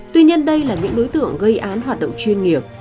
tuy nhiên đây là những đối tượng gây án hoạt động chuyên nghiệp